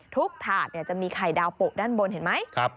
ทุกถาดเนี่ยจะมีไข่ดาวโปะด้านบนเห็นไหมครับ